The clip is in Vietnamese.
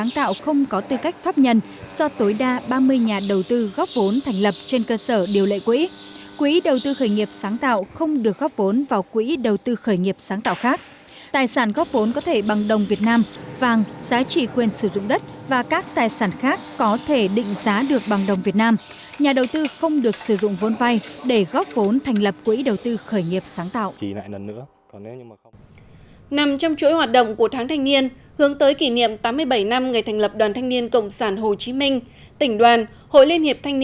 năm hai nghìn một mươi bảy ngày thành lập đoàn thanh niên cộng sản hồ chí minh tỉnh đoàn hội liên hiệp thanh niên tỉnh nghệ an đã tổ chức chương trình tháng ba biên giới nhằm phát huy tinh thần xung kích của tuổi trẻ